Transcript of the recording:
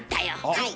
はい。